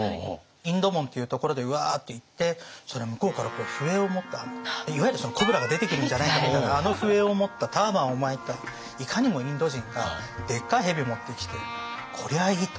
インド門っていうところでうわっと行ってそれで向こうから笛を持ったいわゆるそのコブラが出てくるんじゃないかというようなあの笛を持ったターバンを巻いたいかにもインド人がでっかい蛇を持ってきてこりゃあいいと。